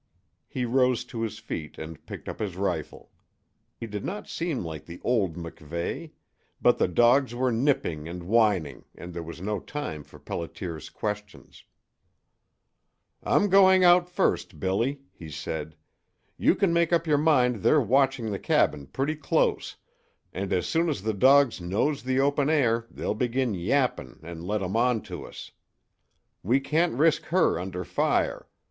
He rose to his feet and picked up his rifle. He did not seem like the old MacVeigh; but the dogs were nipping and whining, and there was no time for Pelliter's questions. "I'm going out first, Billy," he said. "You can make up your mind they're watching the cabin pretty close, and as soon as the dogs nose the open air they'll begin yapping 'n' let 'em on to us. We can't risk her under fire.